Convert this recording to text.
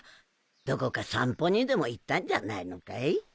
どこか散歩にでも行ったんじゃないのかい？